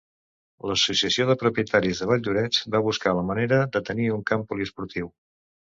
L'Associació de Propietaris de Valldoreix va buscar la manera de tenir un camp poliesportiu.